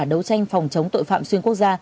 đấu tranh phòng chống tội phạm xuyên quốc gia